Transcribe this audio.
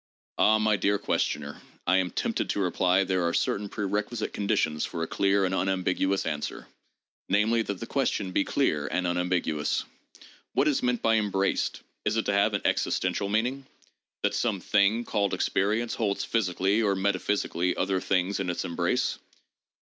Ah, my dear questioner, I am tempted to reply, there are certain prerequisite conditions for "a clear and unambiguous answer '': namely, that the question be clear and unambiguous. What is meant by "embraced"? Is it to have an existential meaning?— that some thing called experience holds physically or metaphysically other things in its embrace